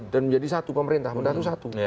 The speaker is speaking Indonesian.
dan menjadi satu pemerintah pemerintah itu satu